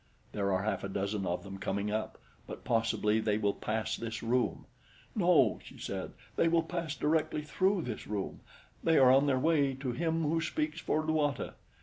"There are half a dozen of them coming up; but possibly they will pass this room." "No," she said, "they will pass directly through this room they are on their way to Him Who Speaks for Luata.